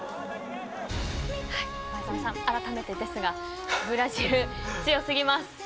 あらためてですが、ブラジル強すぎます。